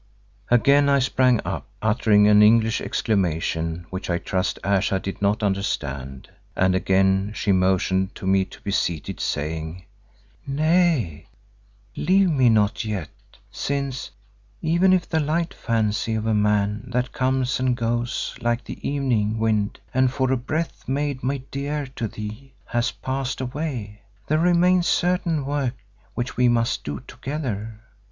Again I sprang up, uttering an English exclamation which I trust Ayesha did not understand, and again she motioned to me to be seated, saying, "Nay, leave me not yet since, even if the light fancy of a man that comes and goes like the evening wind and for a breath made me dear to thee, has passed away, there remains certain work which we must do together.